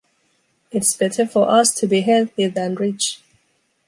It’s better for us to be healthy than rich.”